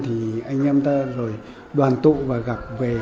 thì anh em ta rồi đoàn tụ và gặp về